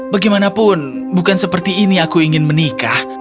bagaimanapun bukan seperti ini aku ingin menikah